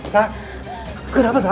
kamu kenapa sah